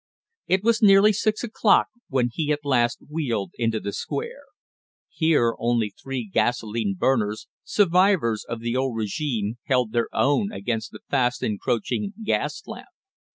It was nearly six o'clock when he at last wheeled into the Square; here only three gasolene burners survivors of the old régime held their own against the fast encroaching gas lamp.